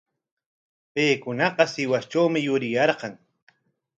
Paykunaqa Sihuastrawmi yuriyarqan.